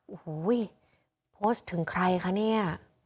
โอ้โหโพสต์ถึงใครคะเนี่ย